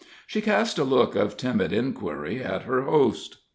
She cast a look of timid inquiry at her host.